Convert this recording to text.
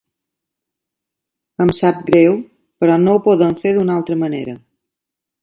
Em sap greu, però no ho podem fer d'una altra manera.